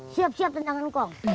siap siap tendangan kong